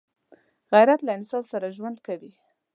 غیرت له انصاف سره ژوند کوي